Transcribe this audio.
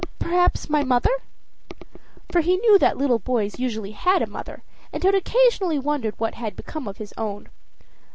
Perhaps my mother?" For he knew that little boys usually had a mother, and had occasionally wondered what had become of his own.